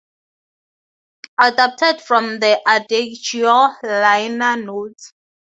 Adapted from the "Adagio" liner notes.